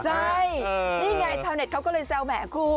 ใช่นี่ไงชาวเน็ตเขาก็เลยแซวแหมครู